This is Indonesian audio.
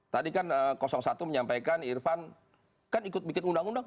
tadi kan satu menyampaikan irfan kan ikut bikin undang undang